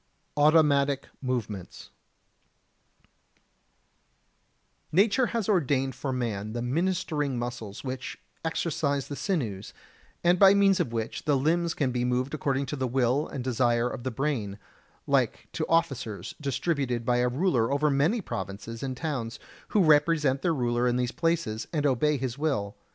[Sidenote: Automatic Movements] 71. Nature has ordained for man the ministering muscles which exercise the sinews, and by means of which the limbs can be moved according to the will and desire of the brain, like to officers distributed by a ruler over many provinces and towns, who represent their ruler in these places, and obey his will.